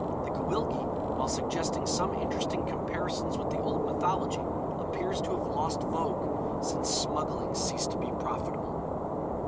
The Gwyllgi, while suggesting some interesting comparisons with the old mythology, appears to have lost vogue since smuggling ceased to be profitable.